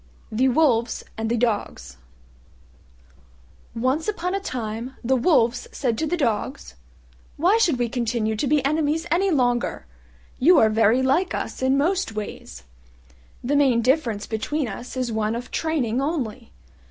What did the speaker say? THE WOLVES AND THE DOGS Once upon a time the Wolves said to the Dogs, "Why should we continue to be enemies any longer? You are very like us in most ways: the main difference between us is one of training only.